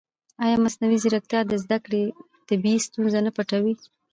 ایا مصنوعي ځیرکتیا د زده کړې طبیعي ستونزې نه پټوي؟